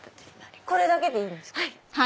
これだけでいいんですか